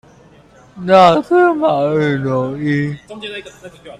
繞去買羽絨衣